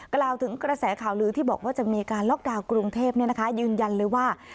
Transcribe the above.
กล่าวถึงกระแสข่าวลือที่บอกว่าจะมีการล็อกดาวน์กรุงเทพยืนยันเลยว่า